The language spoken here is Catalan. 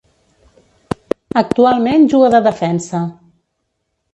Actualment juga de defensa.